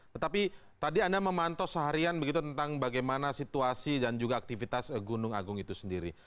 tetapi tadi anda memantau seharian begitu tentang bagaimana situasi dan juga aktivitas gunung agung itu sendiri